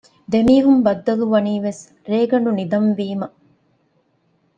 ދެމީހުން ބައްދަލުވަނީވެސް ރޭގަނޑު ނިދަން ވީމަ